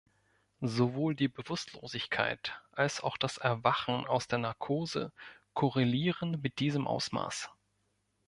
Sowohl die Bewusstlosigkeit als auch das Erwachen aus der Narkose korrelieren mit diesem Ausmaß.